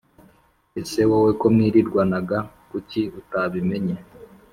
Ese wowe ko mwirirwanaga kuki utabimenye